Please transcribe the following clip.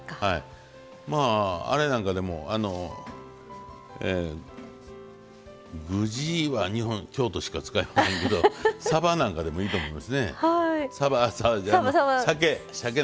まああれなんかでもぐじは京都しか使いませんけどさけなんかでもいいと思いますね。